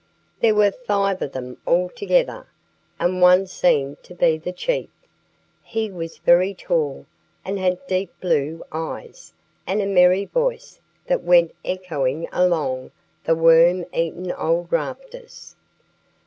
There were five of them altogether, and one seemed to be the chief. He was very tall, and had deep blue eyes, and a merry voice that went echoing along the worm eaten old rafters.